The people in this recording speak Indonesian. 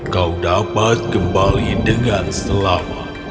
kau dapat kembali dengan selamat